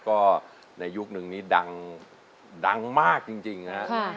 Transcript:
ก็ในยุคนึงนี้ดังมากจริงนะฮะ